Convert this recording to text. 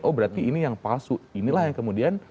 oh berarti ini yang palsu inilah yang kemudian